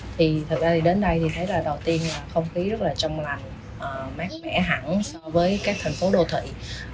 thực ra đến đây thấy là đầu tiên không khí rất là trong lành mát mẻ hẳn so với các thành phố đô thị